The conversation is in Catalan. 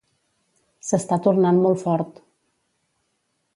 S'està tornant molt fort.